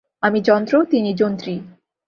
আমি যন্ত্র, তিনি যন্ত্রী।